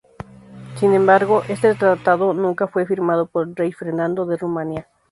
Sin embargo, este tratado nunca fue firmado por el rey Fernando de Rumania.